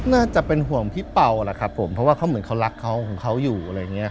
น่าจะเป็นห่วงพี่เป่าแหละครับผมเพราะว่าเขาเหมือนเขารักเขาของเขาอยู่อะไรอย่างเงี้